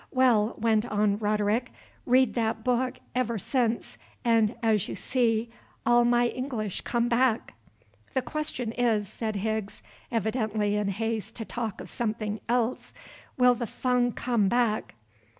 "Well," went on Roderick, "read that book ever since, and, as you see, all my English come back." "The question is," said Higgs, evidently in haste to talk of something else, "will the Fung come back?"